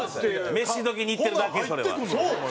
飯時に行ってるだけそれは。